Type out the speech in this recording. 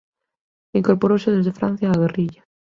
Incorporouse desde Francia á guerrilla.